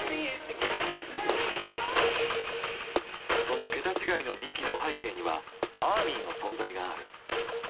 その桁違いの人気の背景には「アーミー」の存在がある。